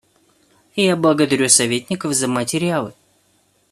Я благодарю советников за материалы.